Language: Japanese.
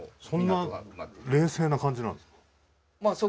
そんな冷静な感じなんですか。